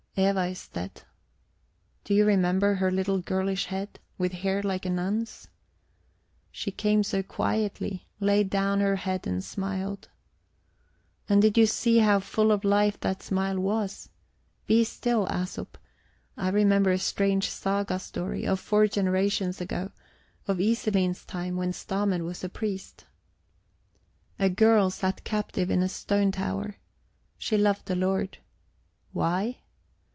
Eva is dead. Do you remember her little girlish head, with hair like a nun's? She came so quietly, laid down her head and smiled. And did you see how full of life that smile was? Be still, Æsop; I remember a strange saga story, of four generations ago, of Iselin's time, when Stamer was a priest. A girl sat captive in a stone tower. She loved a lord. Why?